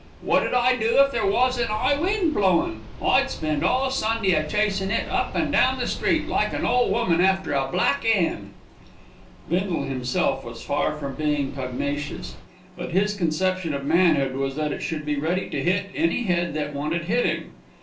Wot 'ud I do if there was an 'igh wind blowin'? I'd spend all Sunday a chasin' it up and down the street, like an ole woman after a black 'en." Bindle himself was far from being pugnacious; but his conception of manhood was that it should be ready to hit any head that wanted hitting.